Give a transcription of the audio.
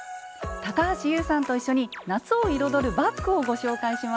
高橋ユウさんと一緒に夏を彩るバッグをご紹介します。